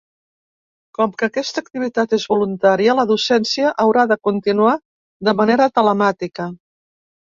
Com que aquesta activitat és voluntària, la docència haurà de continuar de manera telemàtica.